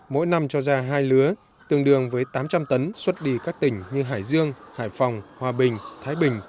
mỗi năm cho ra hai lứa tương đương với tám trăm linh tấn xuất đi các tỉnh như hải dương hải phòng hòa bình thái bình